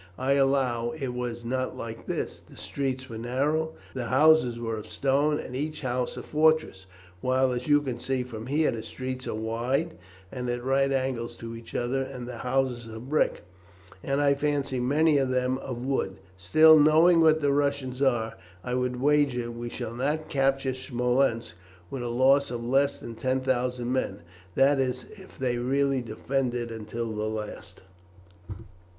I allow it was not like this. The streets were narrow, the houses were of stone, and each house a fortress, while, as you can see from here, the streets are wide and at right angles to each other, and the houses of brick, and, I fancy, many of them of wood. Still, knowing what the Russians are, I would wager we shall not capture Smolensk with a loss of less than ten thousand men, that is if they really defend it until the last."